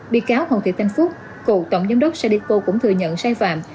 bị cáo hồng thị thanh phúc cựu tổng giám đốc sadeco cũng thừa nhận sai phạm